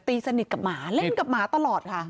ตีสนิทกับหมาเล่นกับหมาตลอดค่ะ